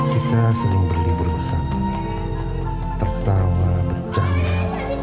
kita sering berlibur bersama bercanda